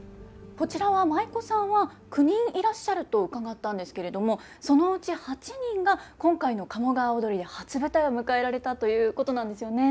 こちらは舞妓さんは９人いらっしゃると伺ったんですけれどもそのうち８人が今回の「鴨川をどり」で初舞台を迎えられたということなんですよね。